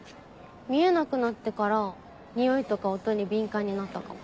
見えなくなってから匂いとか音に敏感になったかも。